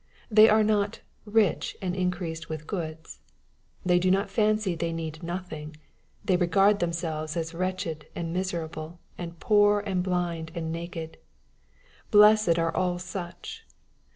They are not " rich and increased with goods." They do not fancy they need nothing. They regard themselves as "wretched, and miserable, and poor, and blind, and naked." Blessed are all such